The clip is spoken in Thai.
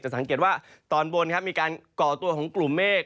สังเกตว่าตอนบนมีการก่อตัวของกลุ่มเมฆ